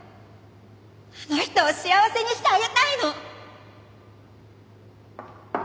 あの人を幸せにしてあげたいの！